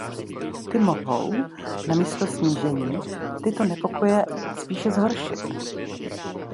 Ty mohou namísto snížení tyto nepokoje spíše zhoršit.